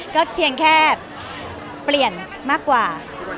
ก็เพียงแค่เปลี่ยนมากกว่า